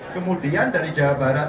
kemudian dari jawa barat